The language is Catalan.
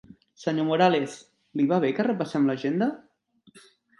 Senyor Morales... li va bé que repassem l'agenda?